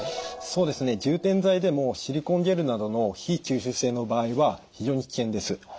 そうですね充填剤でもシリコンゲルなどの非吸収性の場合は非常に危険です。